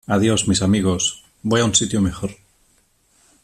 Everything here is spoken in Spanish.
Adiós, mis amigos. Voy a un sitio mejor .